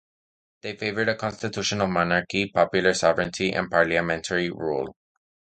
They favored a constitutional monarchy, popular sovereignty, and parliamentary rule.